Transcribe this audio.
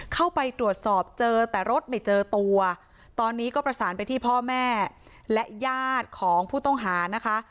เข้าไปตรวจสอบเจอแต่รถไม่เจอตัวตอนนี้ก็ประสานไปที่พ่อแม่และญาติของผู้ต้องหานะคะ